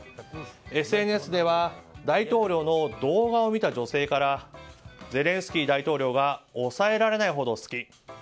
ＳＮＳでは大統領の動画を見た女性からゼレンスキー大統領が抑えられないほど好き。